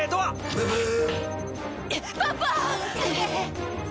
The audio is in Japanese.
「ブブー！」